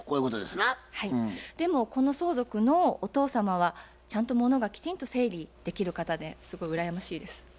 でもこの相続のお父様はちゃんとものがきちんと整理できる方ですごい羨ましいです。